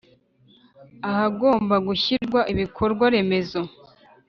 ahagomba gushyirwa ibikorwa remezo